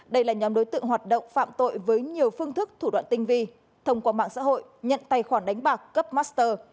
đây là nhóm đối tượng hoạt động phạm tội với nhiều phương thức thủ đoạn tinh vi thông qua mạng xã hội nhận tài khoản đánh bạc cấp master